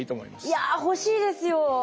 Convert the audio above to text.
いや欲しいですよ。